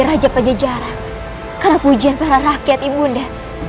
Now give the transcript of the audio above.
raja pajajara karena pujian para rakyat ibu bunda